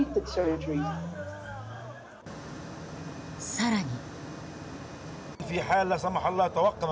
更に。